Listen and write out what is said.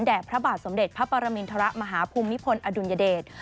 พระบาทสมเด็จพระปรมินทรมาฮภูมิพลอดุลยเดช